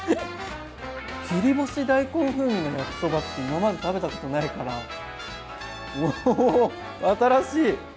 切り干し大根風味の焼きそばって今まで食べたことないからうお新しい！